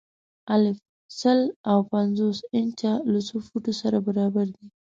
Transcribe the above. الف: سل او پنځوس انچه له څو فوټو سره برابر دي؟